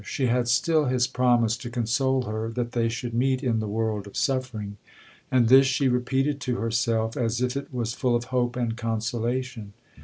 She had still his promise to console her, that they should meet in the world of suffering; and this she repeated to herself as if it was full of hope and consolation.